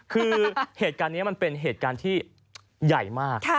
คือเหตุการณ์นี้มันเป็นเหตุการณ์ที่ใหญ่มาก